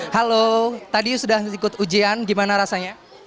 halo tadi sudah ikut ujian gimana rasanya